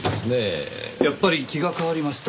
やっぱり気が変わりました。